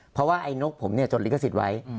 เพราะว่าไอ้นกผมจดลิขสิทธิ์ไว้